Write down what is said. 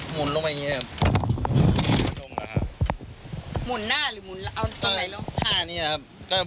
หมุนหน้าหมุนเอาตอนไหนล่ะถ้านี่แหละครับ